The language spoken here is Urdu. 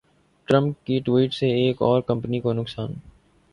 ٹرمپ کی ٹوئیٹ سے ایک اور کمپنی کو نقصان